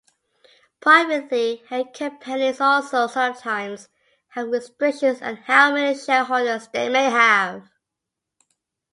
Privately held companies also sometimes have restrictions on how many shareholders they may have.